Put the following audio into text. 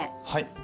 はい。